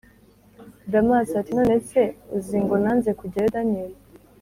damas ati: nonese uzi ngo nanze kujyayo daniel!